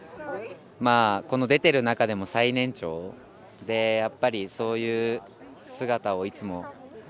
この出ている中でも最年長でやっぱり、そういう姿をいつも。